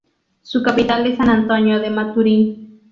Su capital es San Antonio de Maturín.